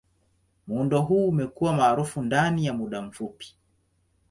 Muundo huu umekuwa maarufu ndani ya muda mfupi.